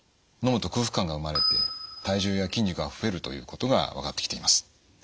のむと空腹感が生まれて体重や筋肉が増えるということが分かってきています。